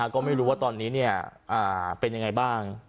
ก็ไม่รู้ว่าตอนนี้เป็นยังไงบ้าง